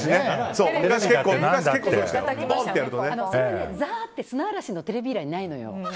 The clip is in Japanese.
それはザーッて砂嵐のテレビ以来ないのよ。